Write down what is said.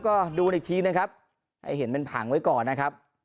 ก็ดูอีกทีนะครับให้เห็นเป็นผังไว้ก่อนนะครับ